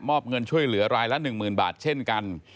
มอบเงินช่วยเหลือรายละ๑หมื่นบาทเช่นกัน